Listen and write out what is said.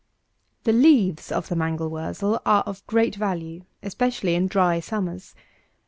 255. The leaves of the MANGEL WURZEL are of great value, especially in dry summers.